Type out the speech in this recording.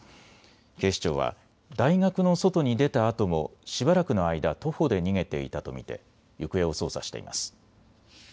警視庁は大学の外に出たあともしばらくの間、徒歩で逃げていたと見て行方を捜査しています。